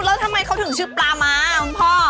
แล้วทำไมเขาถึงชื่อปลาม้าคุณพ่อ